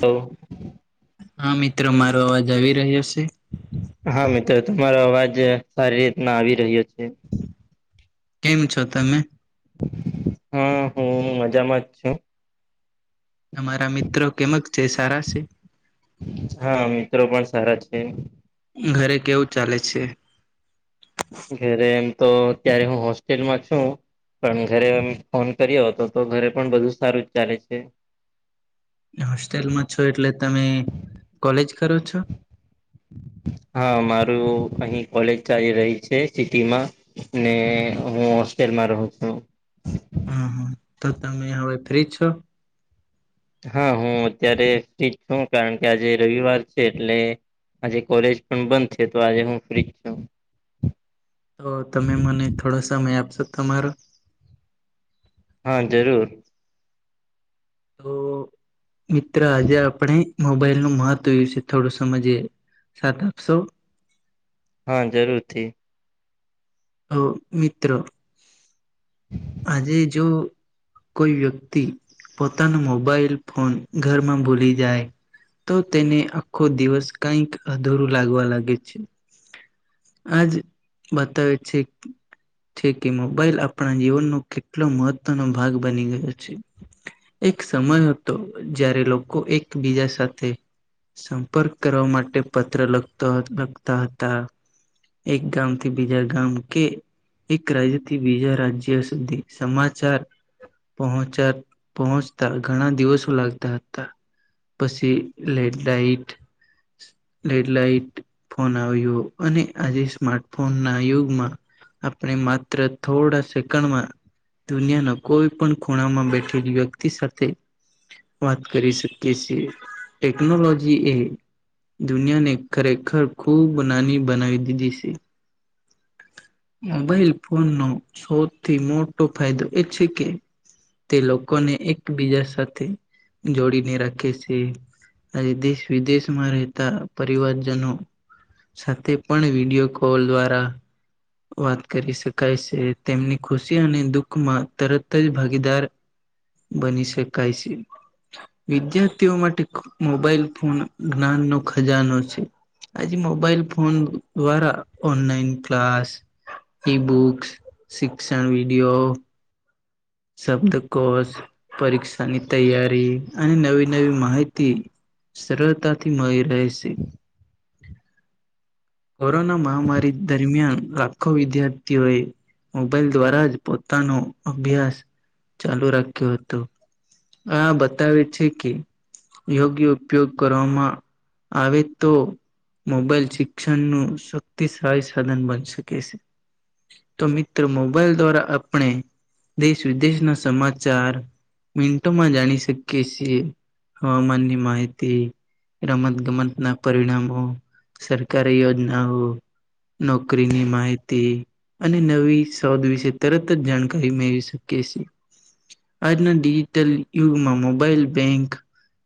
તો. હા મિત્રો મારો અવાજ આવી રહ્યો છે? હા મિત્રો તમારો અવાજ સારી રીતના આવી રહ્યો છે. કેમ છો તમે? હા હું મજામાં જ છું. તમારા મિત્રો કેમક છે સારા છે? હા મિત્રો પણ સારા છે. ઘરે કેવું ચાલે છે? ઘેરે એમ તો અત્યારે હું હોસ્ટેલમાં છું. પણ ઘરે ફોન કર્યો હતો તો ઘરે પણ બધું સારું જ ચાલે છે. હોસ્ટેલમાં છો એટલે તમે કોલેજ કરો છો? હા મારું અહીં કોલેજ ચાલી રહી છે ચીખલીમાં. અને હું હોસ્ટેલમાં રહું છું. હમ હા તો તમે હવે ફ્રી જ છો? હા હું અત્યારે ફ્રી જ છું કારણ કે આજે રવિવાર છે એટલે આજે કોલેજ પણ બંધ છે તો આજે હું ફ્રી જ છું તો તમે મને થોડો સમય આપશો તમારો હા જરૂર. તો મિત્ર આજે આપણે મોબાઈલ નું મહત્વ વિશે થોડું સમજીએ, સાથ આપશો? હા જરૂરથી. તો મિત્ર આજે જો કોઈ વ્યક્તિ પોતાના મોબાઈલ ફોન ઘરમાં ભૂલી જાય તો તેને આખો દિવસ કઈક અધૂરું લાગવા લાગે છે. આજ બતાવે છે છે કે મોબાઈલ આપણા જીવન નો કેટલો મહત્વનો ભાગ બની ગયો છે. એક સમય હતો જ્યારે લોકો એકબીજા સાથે સંપર્ક કરવા માટે પત્ર લખતો લખતા હતા. એક ગામ થી બીજા ગામ કે એક રાજ્યથી બીજા રાજ્ય સુધી સમાચાર પહોચા પહોંચતા ઘણા દિવસો લાગતા હતા. પછી લેડલાઇટ લેડલાઈન ફોન આવ્યો અને આજે સ્માર્ટફોન ના યુગમાં આપણે માત્ર થોડા સ [unintelligible] દુનિયાના કોઈ પણ ખૂણામાં બેઠેલી વ્યક્તિ સાથે વાત કરી શકીએ છીએ ટેકનોલોજી એ દુનિયાને ખરેખર ખૂબ નાની બનાવી દીધી છે. મોબાઈલ ફોનનો સૌથી મોટો ફાયદો એ છે, કે તે લોકોને એકબીજા સાથે જોડીને રાખે છે. આજે દેશ વિદેશમાં રહેતા પરિવારજ નો સાથે પણ વિડીયો કોલ દ્વારા વાત કરી શકાય છે, તેમની ખુશી અને દુઃખ માં તરત જ ભાગીદાર બની શકાય છે. વિદ્યાર્થીઓ માટે ખુ મોબાઈલ ફુન જ્ઞાનનો ખજાનો છે. અજી મોબાઈલ ફોન દ્વારા ઓનલાઈન ક્લાસ ઈ બુક્સ, શિક્ષણ વિડીયો,... શબ્દકોસ, પરીક્ષાની તૈયારી અને નવી નવી માહિતી સરળતાથી મયી રહે સે. કોરોના મહામારી દરમિયાન લાખો વિદ્યાર્થીઓએ મોબાઈલ દ્વારા જ પોતાનો અભ્યાસ ચાલુ રાખ્યો હતો. આ બતાવે છે કે યોગ્ય ઉપયોગ કરવામાં આવે તો મોબાઈલ શિક્ષણનું શક્તિસાળી સાધન બની સકે સે. તો મિત્ર મોબાઈલ દ્વારા આપણે છ્રી દેશ ના સમાચાર મિન્ટોમાં જાણી સકીએ સીએ. હવામાનની માહિતી રમત-ગમત ના પરિણામો, સરકારી યોજનાઓ..... નોકરીની માહિતી અને નવી શોધ વિશે તરત જ જાણકારી મે શ કેસે. આજના ડિજિટલ યુગમાં મોબાઈલ બેંક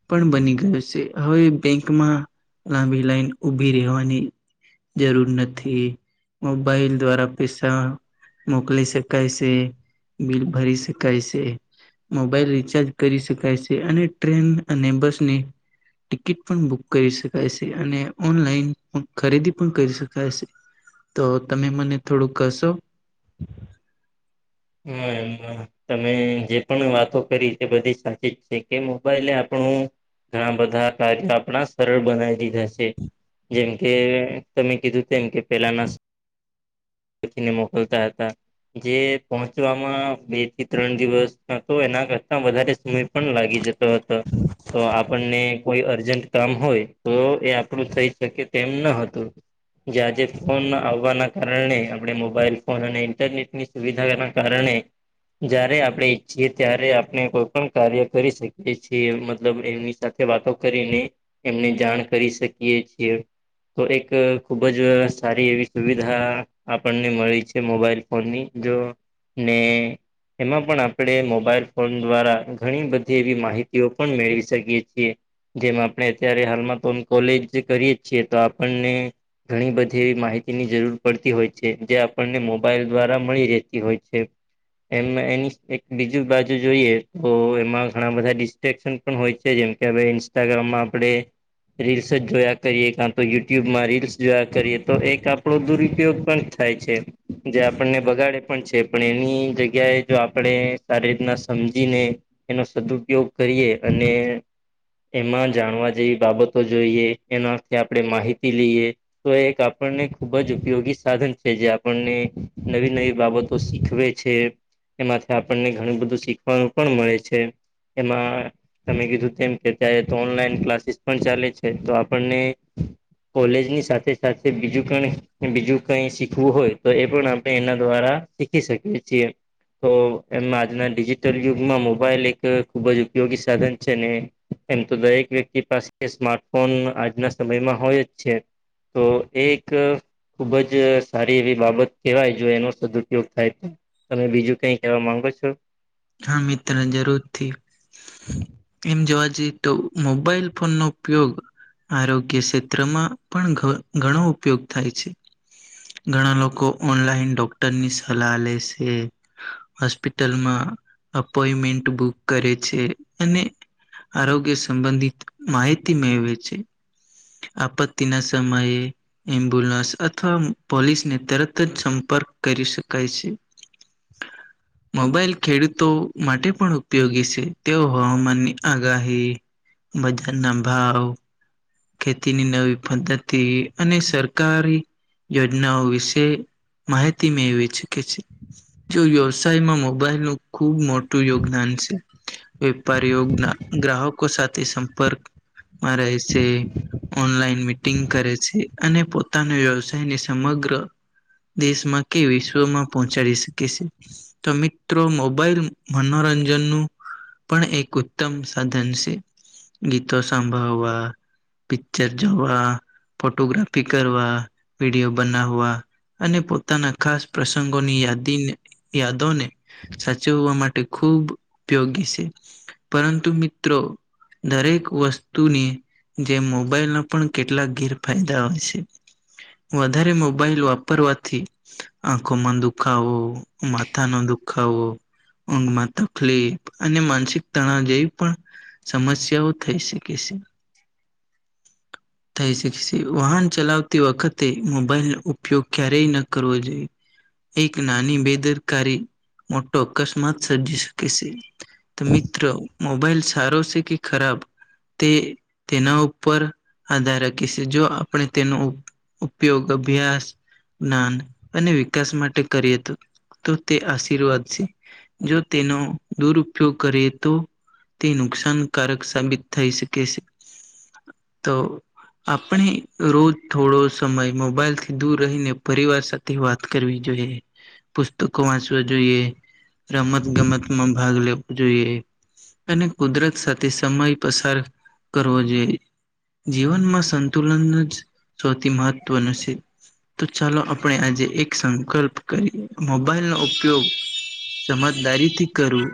પણ બની ગયો સે. હવે બેંકમાં લાંબી લાઈન ઉભી રહેવાની જરૂર નથી. મોબાઈલ દ્વારા પેઈસા મોકલી સકાય સે. મિલ ભરી સકાય સે. મોબાઈલ રિચાર્જ કરી સકાય સે અને ટ્રેન અને બસને ટિકિટ પણ બુક કરી સકાય સે અને ઓનલાઈન ઓં ખરીદી પણ કરી સકાય સે. તો તમે મને થોડુક કસો. હમ્મહ. તમે જે પણ વાતો કરી તે બધી સાચી જ છે, કે મોબાઈલે આપણું ઘણા બધા કાજકા આપડણા સરળ બનાવી દીધા સે. જેમકે તમે કીધું તેમ, કે પેલા ના [inaudible] મોકલતા હતા, જે પહોંચવામાં બે થી ત્રણ દિવસ કાતો એના કરતા વધારે સમય પણ લાગી જતો હતો. તો આપને કોઈ અર્જન્ટ કામ હોય, તો એ આપણું થઈ શકે તેમ ન હતું. જ આજે ફોન ન આવવાના કારણે, આપણે મોબાઈલ ફોન અને ઇન્ટરનેટની સુવિ તેના કારણે જયારે આપણે ઈચ્છીએ, ત્યારે આપણે કોઈ પણ કાર્ય કરી સકીએ છીએ. મતલબ એમની જાતે વાતો કરીને, એમને જાણ કરી સકીએ છીએ. થોડીક ખૂબ જ સારી એવી સુવિધાઆ આપને મળી છે. મોબાઈલ ફોનની જો ને એમાં પણ આપણે મોબાઈલ ફોન દ્વારા ઘણી બધી એવી માહિતીઓ પણ મેળવી સકીએ છીએ. જેમ આપણે અત્યારે હાલમાં કોન કોલેજ્જ કરીયે જ છીએ, તો આપને ઘણી બધી એવી માહિતીની જરૂર પડતી હોય છે, જે આપને મોબાઈલ દ્વારા મળી રે. કે હોય છે. એમ્મા એની સ એક બીજી બાજુ જોઈએ, તો એમાં ઘણા બધા ડી ટેક્સન પણ હોય છે. જેમ કે, અવે ઇન્સ્ટાગ્રામમાં આપડણે રીલ્સ જ જોયા કરીએ. કા તો યુટ્યુબમાં રીલ્સ જોયા કરીએ, તો એક આપણો દુરુપયોગ પણ થાય છે. જે આપને બગાડે પણ છે પણ એની જગ્યાએ જો આપણે સારી રીતના સમજીને એનો સદુપયોગ કરીએ અને એમાં જાણવા જેવી બાબતો જોઈએ, એનાથી આપણે માહિતી લઈએ તો એક આપણને ખુબ જ ઉપયોગી સાધન છે જે આપણને નવી બાબતો તો શીખવે છે, એમાંથી આપણને ઘણું બધું શીખવાનું પણ મળે છે એમાં તમે કીધું તેમ કે અત્યારે તો ઓનલાઈન ક્લાસીસ પણ ચાલે છે, તો આપણને કોલેજ ની સાથે સાથે બીજું ક બીજું કઈ શીખવું હોય તો એ પણ આપણે એના દ્વારા શીખી શકીએ છીએ તો એમાં આજના ડિજિટલ યુગમાં મોબાઈલ એક ખુબ જ ઉપયોગી સાધન છે ને એમ તો દરેક વ્યક્તિ પાસે સ્માર્ટફોન આજના સમયમાં હોય જ છે તો એ એક ખુબ જ સારી એવી બાબત કહેવાય. જો એનો સદઉપયોગ થાય, તમે બીજું કઈ કેવા માંગો છો હા, મિત્ર જરૂરથી એમ જોવા જઈ તો મોબાઈલ ફોન નો ઉપયોગ આરોગ્ય ક્ષેત્રમાં પણ ઘણો ઉપયોગ થાય છે ઘણા લોકો ઓનલાઈન ડોક્ટરની સલાહ લેશે હોસ્પિટલમાં અપોઈમેન્ટ બુક કરે છે અને આરોગ્ય સંબંધિત માહિતી મેળવે છે આપત્તિના સમયે એમ્બ્યુલન્સ અથવા પોલીસને તરત જ સંપર્ક કરી શકાય છે મોબાઈલ ખેડૂતો માટે પણ ઉપયોગી શે તેઓ હવામાનની આગાહી બજારના ભાવ ખેતીની નવી પદ્ધતિ અને સરકારી યોજનાઓ વિશે માહિતી મેળવી શકે છે જો વ્યવસાયમાં મોબાઈલ નુ ખૂબ મોટું યોગદાન છે વેપારીઓ ગ્રાહકો સાથે સંપર્કમાં રહેશે ઓનલાઈન મિટિંગ કરે છે, અને પોતાના વ્યવસાયને સમગ્ર દેશમાં કે વિશ્વમાં પહોંચાડી શકે શે તો મિત્રો મોબાઈલ મનોરંજનનું પણ એક ઉત્તમ સાધન છે. ગીતો સાંભળવા પિક્ચર જોવા, ફોટોગ્રાફી કરવા, વિડીયો બનાવવા અને પોતાના ખાસ પ્રસંગોની યાદીને, યાદોને સાચવવા માટે ખૂબ ઉપયોગી શે પરંતુ મિત્રો દરેક વસ્તુની જે મોબાઈલના પણ કેટલાક ગેરફાયદા હોય છે વધારે મોબાઈલ વાપરવાથી આંખોમાં દુખાવો, માથા નો દુખાવો ઊંઘમાં તકલીફ અને માનસિક તણાવ જેવી પણ સમસ્યાઓ થઈ શકે શે થઈ શકે શે, વાહન ચલાવતી વખતે મોબાઈલનો ઉપયોગ ક્યારેય ન કરવો જોઈએ એક નાની બેદરકારી મોટો અકસ્માત સર્જી શકે શે તો મિત્ર મોબાઈલ સારો છે કે ખરાબ તે તેના ઉપર આધાર રાખે શેજો આપણે તેનો ઉપયોગ અભ્યાસ જ્ઞાન અને વિકાસ માટે કરીએ તો તો તે આશીર્વાદ છે. જો તેનો દુરપયોગ કરીએ તો તે નુકસાનકારક સાબિત થઈ શકે સે તો આપણે રોજ થોડો સમય મોબાઈલ થી દૂર રહીને પરિવાર સાથ થી વાત કરવી જોઈએ પુસ્તકો વાંચ તો જોઈએ રમત ગમતમાં ભાગ લેેવ જોઈએ અને કુદરત સાથે સમય પસાર કરવો જોઈએ, જીવનમાં સંતુલન જ સૌથી મહત્વનું છે. તો ચાલો આપણે આજે એક સંકલ્પ કરીએ, મોબાઈલનો ઉપયોગ સમજદારીથી કરવુ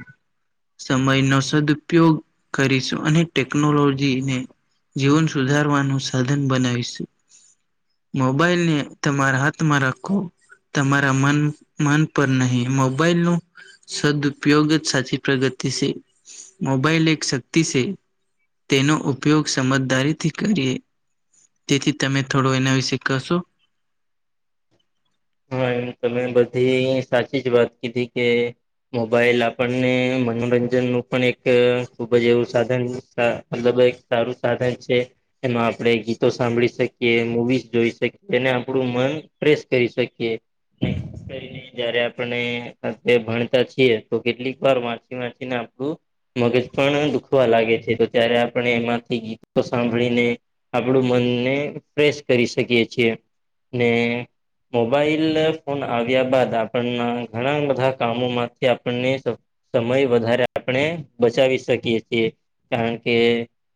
સમયનો સદપયોગ કરીશું અને ટેકનોલો જીને જીવન સુધારવાનું સાધન બનાવીશુ મોબાઈલને તમારા હાથમાં રાખો તમારા મન મન પર નહી મોબાઈલનું સદઉપયોગ જ સાચી પ્રગતિ સે મોબાઈલ એક શક્તિ સે તેનો ઉપયોગ સમજદારીથી કરીએ તેથી તમે થોડો એના વિશે કશો હા એમ તમે બધી સાચી જ વાત કીધી કે મોબાઈલ આપણને મનોરંજનનું પણ એક ખૂબ જ એવું સાધન [unintelligible] મતલબ સારું સાધન છે એમાં આપણેે ગીતો સાંભળી શકીએ મુવી જોઈ શકીએ ને આપડું મન ફ્રેશ કરી શકી કયે એ કરીને જયારે આપણને અત્યારે ભણતા છીએ તો કેટલીક વાર વાંચી વાંચીને આપડું મગજ પણ દુઃખવા લાગે છે તો ત્યારે આપણને એમાંથી ગીતો સાંભળીને આપડું મનને ફ્રેશ કરી શકીએ છીએ ને મોબાઈલ ફોન આવ્યા બાદ આપણના ઘણા બધા કામોમાંથી આપણને સમય વધારે આપણે બચાવી શકીએ છીએ કારણ કે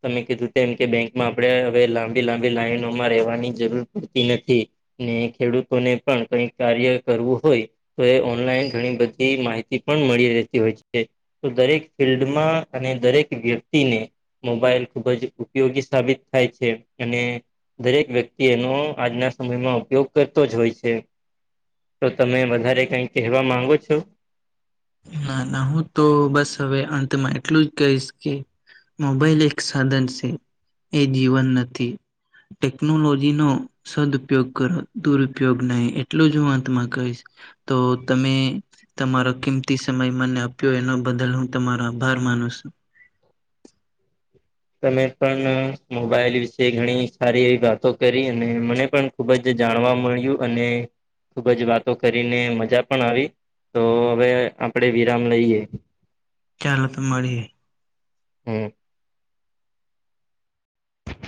તમે કીધું તેમ કે બેંકમાં આપણે હવે લાંબી લાંબી લાઈનોમાં રહેવાની જરૂર પડતી નથી ને ખેડૂતોને પણ કઈક કાર્ય કરવું હોય તો એ ઓનલાઈન ઘણી બધી માહિતી પણ મળી રહેતી હોય છે તો દરેક ફિલ્ડમાં અને દરેક વ્યક્તિને મોબાઈલ ખુબ જ ઉપયોગી સાબિત થાય છે અને દરેક વ્યક્તિ એનો આજના સમયમાં ઉપયોગ કર તો જોઈશે તો તમે વધારે કઈ કહેવા માંગો છો? ના ના હું તો બસ હવે અંતમાં એટલું જ કહીશ કે મોબાઈલ એક સાધન સે એ દીવન નથી ટેકનોલોજીનો સદઉપયોગ કરો દુરુપયોગ નહી એટલુ જ હું અંતમાં કહીશ તો તમે તમારો કિમ તી સમય મને આપ્યો એના બદલ હું તમારો આભાર માનું સુ. તમે પણ મોબાઈલ વિશે ઘણી સારી એવી વાતો કરી અને મને પણ ખુબ જ જાણવા મળ્યું અને ખુબ જ વાતો કરીને મજા પણ આવી. તો હવે આપડે વિરામ લઈએ. ચાલો તો મળીએ. હે